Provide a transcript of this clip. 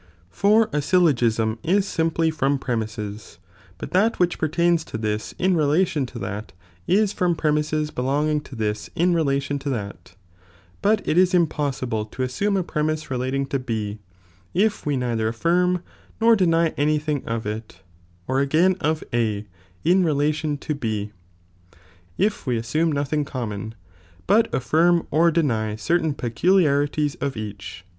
For a syllogism is simply from premises, but that which pertaiuB to this in relation to that, is from premises belonging to this in n lwion to ihat,^ bnt it is impossible to nssume a premise re lating to B, if we neither aflSrm nor deny any thing of it, or again of A in relation to B, if we assume nothing common, but atlinn or deny certain peculiarities of each.